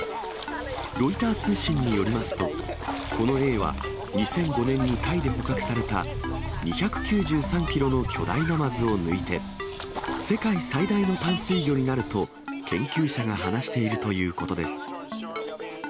ロイター通信によりますと、このエイは、２００５年にタイで捕獲された、２９３キロの巨大ナマズを抜いて、世界最大の淡水魚になると、研究者が話しているということです。